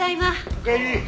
おかえり！